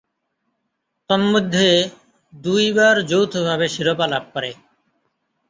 তন্মধ্যে, দুইবার যৌথভাবে শিরোপা লাভ করে।